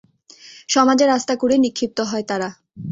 সমাজের আস্তাকুঁড়ে নিক্ষিপ্ত হয় তারা।